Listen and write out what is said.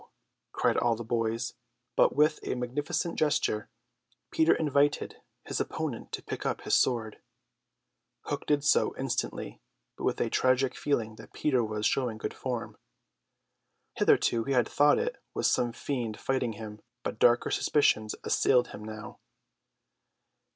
cried all the boys, but with a magnificent gesture Peter invited his opponent to pick up his sword. Hook did so instantly, but with a tragic feeling that Peter was showing good form. Hitherto he had thought it was some fiend fighting him, but darker suspicions assailed him now.